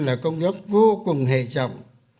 là công việc vô cùng hề trọng